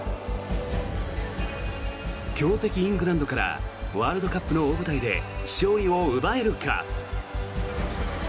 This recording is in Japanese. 強敵イングランドからワールドカップの大舞台で勝利を奪えるか。